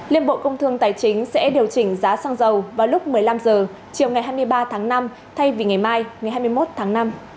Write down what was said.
liên bộ công thương tài chính sẽ điều chỉnh giá xăng dầu vào lúc một mươi năm h chiều ngày hai mươi ba tháng năm thay vì ngày mai ngày hai mươi một tháng năm